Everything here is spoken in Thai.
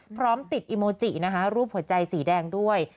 พร้อมติดอีโมจินะคะรูปหัวใจสีแดงด้วย